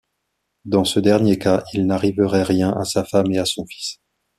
Dans ce dernier cas, il n'arriverait rien à sa femme et à son fils.